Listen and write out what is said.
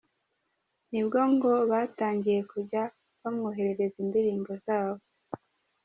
Nibwo ngo batangiye kujya bamwoherereza indirimbo zabo.